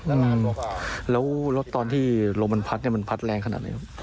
นานหมดแล้วรถตอนที่ลมมันพัดเนี่ยมันพัดแรงขนาดไหนครับ